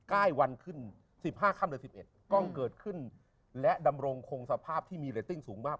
ใกล้วันขึ้น๑๕ค่ำหรือ๑๑กล้องเกิดขึ้นและดำรงคงสภาพที่มีเรตติ้งสูงมาก